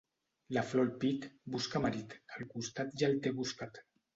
La flor al pit, busca marit; al costat ja el té buscat.